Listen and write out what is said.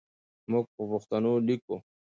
موږ په پښتو لیکو.